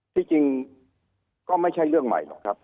ที่จริงก็ไม่ใช่เรื่องใหม่หรอกครับ